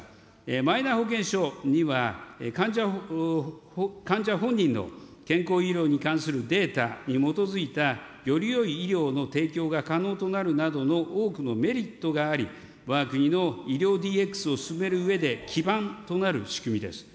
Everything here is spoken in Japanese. マイナ保険証には、患者本人の健康医療に関するデータに基づいた、よりよい医療の提供が可能となるなどの多くのメリットがあり、わが国の医療ＤＸを進めるうえで、基盤となる仕組みです。